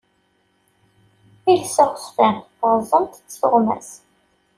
Iles aɣezfan, ɣeẓẓent-tt tuɣmas.